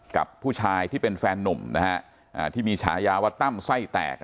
กับผู้ชายที่เป็นแฟนนุ่มนะฮะที่มีฉายาว่าตั้มไส้แตก